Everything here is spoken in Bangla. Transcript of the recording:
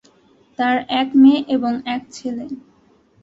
তার এক মেয়ে এবং এক ছেলে।